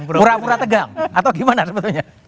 pura pura tegang atau gimana sebetulnya